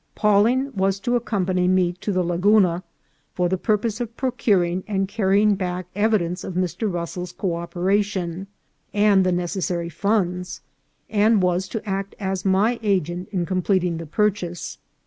Pawling was to accompany me to the Lagu na, for the purpose of procuring and carrying back evi dence of Mr. Russell's co operation and the necessary funds, and was to act as my agent in completing the purchase.